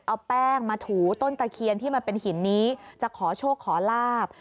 เอาแป้งมาถูต้นตะเคียนที่มันเป็นหินนี้จะขอโชคขอลาบ